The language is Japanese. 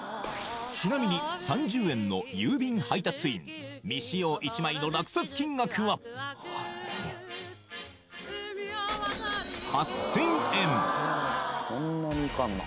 ちなみに３０円の郵便配達員未使用１枚の落札金額は未使用の５００円